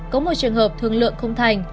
có một trường hợp thương lượng không thành